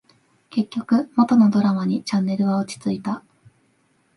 結局、元のドラマにチャンネルは落ち着いた